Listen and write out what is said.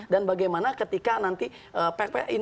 dan bagaimana ketika nanti